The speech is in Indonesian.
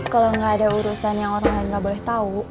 kalau nggak ada urusan yang orang lain nggak boleh tahu